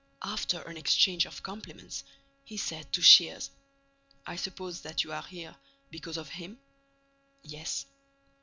After an exchange of compliments, he said to Shears: "I suppose that you are here—because of 'him'?" "Yes."